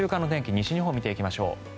西日本を見ていきましょう。